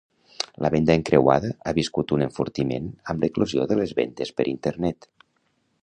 La venda encreuada ha viscut un enfortiment amb l'eclosió de les vendes per internet.